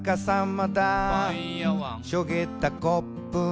「しょげたコップに」